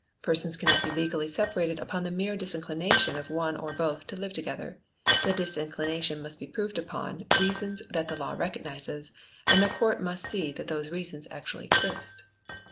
Persons cannot be legally separated upon the mere disinclination of one or both to live together. The disinclination must be proved upon, reasons that the law recognises; and the court must see that those reasons actually exist.